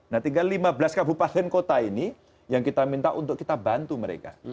nah tinggal lima belas kabupaten kota ini yang kita minta untuk kita bantu mereka